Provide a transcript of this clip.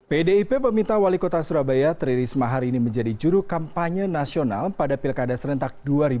pdip meminta wali kota surabaya tri risma hari ini menjadi juru kampanye nasional pada pilkada serentak dua ribu dua puluh